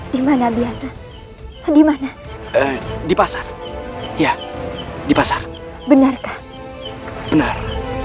dimana biasa dimana di pasar ya di pasar benarkah benar